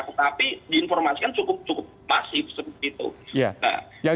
tetapi diinformasikan cukup pasif seperti itu